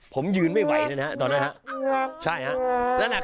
ผมยืนไม่ไหวเลยนะครับตอนนั้นครับ